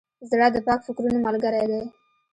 زړه د پاک فکرونو ملګری دی.